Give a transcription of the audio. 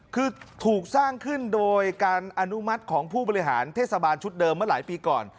คือถูกสร้างขึ้นโดยการอนุมัติของผู้บริหารเทศบาลชุดเดิมเมื่อหลายปีก่อน